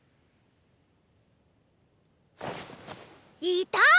いた！